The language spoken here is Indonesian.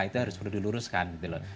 itu harus diluruskan